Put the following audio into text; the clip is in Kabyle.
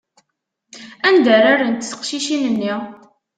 Anda ara rrent teqcicin-nni?